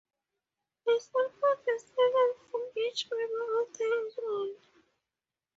A small pot is set out for each member of the household.